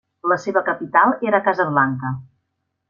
La seva capital era Casablanca.